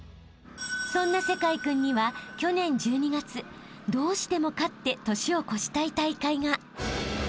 ［そんな聖魁君には去年１２月どうしても勝って年を越したい大会が］